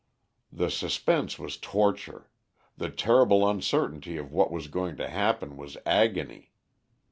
"The suspense was torture; the terrible uncertainty of what was going to happen was agony.